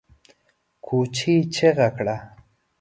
کوچي چيغه کړه!